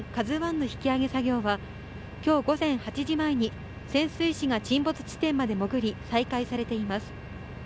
ＫＡＺＵＩの引き揚げ作業は、きょう午前８時前に潜水士が沈没地点まで潜り、再開されています。